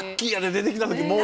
出てきた時もう。